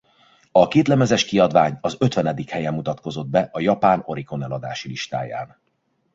A kétlemezes kiadvány az ötvenedik helyen mutatkozott be a japán Oricon eladási listáján.